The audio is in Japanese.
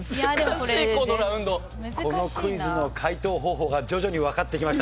このクイズの解答方法が徐々にわかってきましたね。